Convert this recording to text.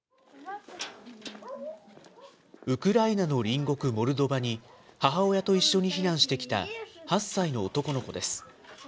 ウクライナの隣国モルドバに、母親と一緒に避難してきた８歳の男の子です。